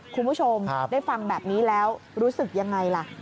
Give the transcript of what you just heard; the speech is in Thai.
คุณผู้ชมได้ฟังแบบนี้แล้วรู้สึกยังไงล่ะ